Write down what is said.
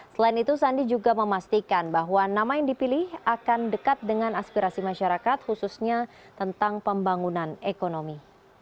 selain itu sandi juga memastikan bahwa nama yang dipilih akan dekat dengan aspirasi masyarakat khususnya tentang pembangunan ekonomi